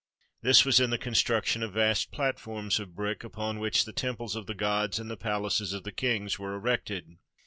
This was in the construction of vast platforms of brick, upon which the temples of the gods and the palaces of the kings were erected.